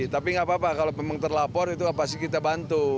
tapi nggak apa apa kalau memang terlapor itu pasti kita bantu